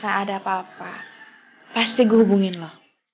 kalau misalkan ada apa apa pasti gue hubungin lo